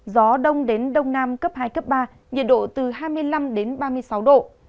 gió đông đến đông nam cấp hai cấp ba nhiệt độ từ hai mươi năm đến ba mươi sáu độ